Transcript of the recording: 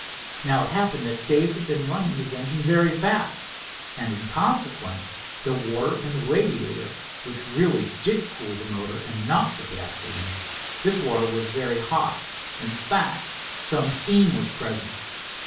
Now it happened that Dave had been running his engine very fast, and, in consequence, the water in the radiator—which really did cool the motor and not the gasoline—this water was very hot—in fact some steam was present.